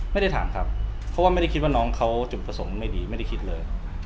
ไม่ได้ถามครับเพราะว่าไม่ได้คิดว่าน้องเขาจุดประสงค์ไม่ดีไม่ได้คิดเลย